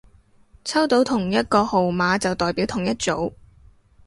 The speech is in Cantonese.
抽到同一個號碼就代表同一組